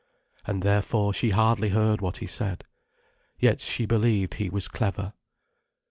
And therefore she hardly heard what he said. Yet she believed he was clever.